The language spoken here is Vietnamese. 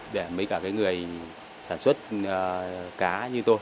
để mấy cả cái người sản xuất cá như tôi